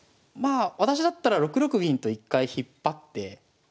まあ私だったら６六銀と一回引っ張って。